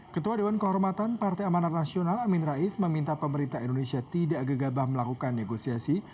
ketua dewan kehormatan partai amanat nasional amin rais meminta pemerintah indonesia tidak gegabah melakukan negosiasi